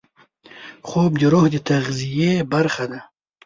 خوب د روح د تغذیې برخه ده